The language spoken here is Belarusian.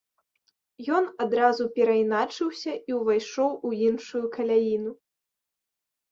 Ён адразу перайначыўся і ўвайшоў у іншую каляіну.